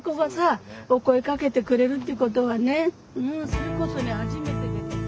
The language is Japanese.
それこそね初めてでね。